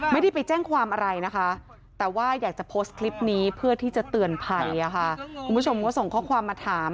ไม่๓ข้อไม่เคยแหละครับเพิ่งไปเช่า